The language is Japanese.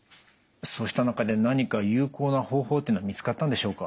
そうした中で何か有効な方法というのは見つかったんでしょうか？